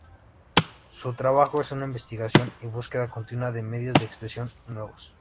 Su trabajo es una investigación y búsqueda continua de medios de expresión nuevos.